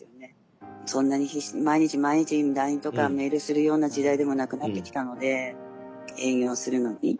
そんなに必死に毎日毎日ＬＩＮＥとかメールするような時代でもなくなってきたので営業するのに。